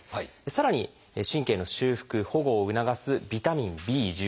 さらに神経の修復・保護を促す「ビタミンＢ」。